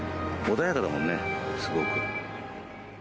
穏やかだもんね、すごく。